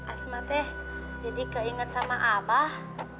asmateh jadi keinget sama abah